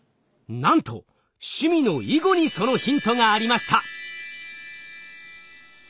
なんと趣味の囲碁にそのヒントがありました。